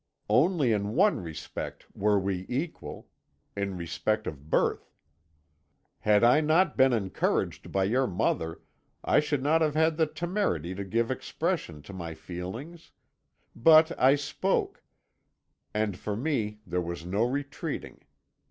Only in one respect were we equal in respect of birth. Had I not been encouraged by your mother, I should not have had the temerity to give expression to my feelings; but I spoke, and for me there was no retreating.